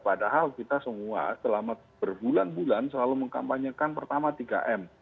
padahal kita semua selama berbulan bulan selalu mengkampanyekan pertama tiga m